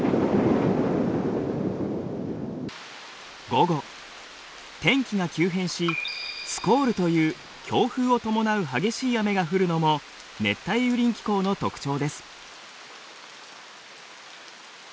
午後天気が急変しスコールという強風を伴う激しい雨が降るのも熱帯雨林気候の特徴です。